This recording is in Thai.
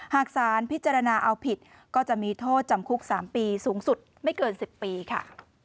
หากสารพิจารณาเอาผิดก็จะมีโทษจำคุก๓ปีสูงสุดไม่เกิน๑๐ปีค่ะ